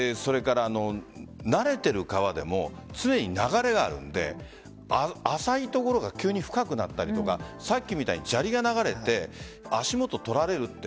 慣れている川でも常に流れがあるので浅い所が急に深くなったりとかさっきみたいに砂利が流れていて足元が取られると。